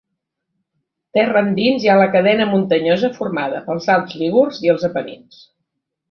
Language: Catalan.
Terra endins hi ha la cadena muntanyosa formada pels Alps lígurs i els Apenins.